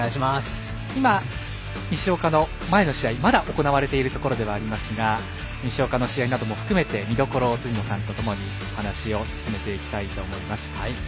今、西岡の前の試合まだ行われているところではありますが西岡の試合なども含めて見どころを辻野さんとともに話を進めていきたいと思います。